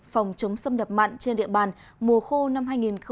phòng chống xâm nhập mặn trên địa bàn mùa khô năm hai nghìn một mươi chín hai nghìn hai mươi